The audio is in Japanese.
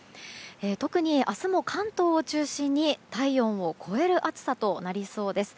特に明日も関東を中心に体温を超える暑さとなりそうです。